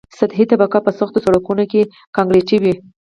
سطحي طبقه په سختو سرکونو کې کانکریټي وي